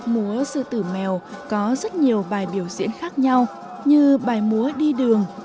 múa sư tử mèo có rất nhiều bài biểu diễn khác nhau như bài múa đi đường